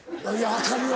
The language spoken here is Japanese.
分かるよ。